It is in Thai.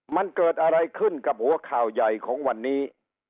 มันเกิดอะไรขึ้นกับหัวข่าวใหญ่ของวันนี้